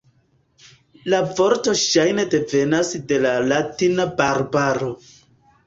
La vorto ŝajne devenas de la latina "barbaro".